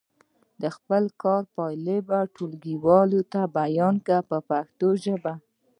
د خپل کار پایلې ټولګیوالو ته بیان کړئ په پښتو ژبه.